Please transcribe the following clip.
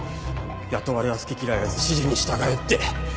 雇われは好き嫌い言わず指示に従えって。